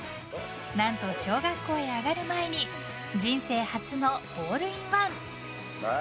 何と小学校へ上がる前に人生初のホールインワン！